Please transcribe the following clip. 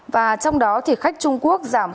và trong đó thì khách trung quốc giảm chín